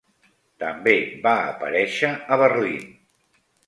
També va aparèixer a Berlín.